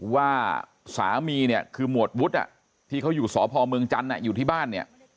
ว่าสามีเนี่ยคือหมวดวุฒิที่เขาอยู่สพเมืองจันทร์อยู่ที่บ้านเนี่ย